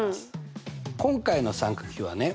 今回の三角比はね